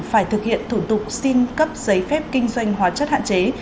phải thực hiện thủ tục xin cấp giấy phép kinh doanh hóa chất hạn chế